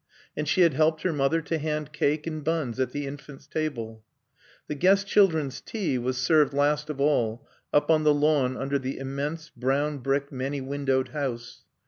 And she had helped her mother to hand cake and buns at the infants' table. The guest children's tea was served last of all, up on the lawn under the immense, brown brick, many windowed house.